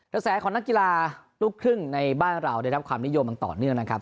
รักษาของนักกีฬาลูกครึ่งในบ้านเราในรับความนิยมต่อเนื่องนะครับ